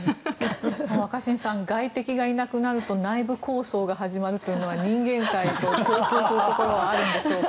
若新さん外敵がいなくなると内部抗争が始まるというのは人間界と共通するところはあるんでしょうか。